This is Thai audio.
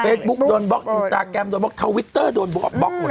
เฟซบุ๊กโดนบล็อกอินสตาร์แกรมโดนบล็อกเทอร์วิตเตอร์โดนบล็อกบล็อกหมดเลย